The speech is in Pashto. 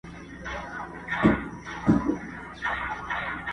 له غزل غزل د میني له داستانه ښایسته یې،